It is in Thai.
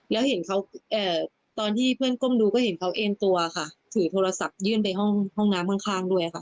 แล้วเห็นเขาตอนที่เพื่อนก้มดูก็เห็นเขาเอ็นตัวค่ะถือโทรศัพท์ยื่นไปห้องน้ำข้างด้วยค่ะ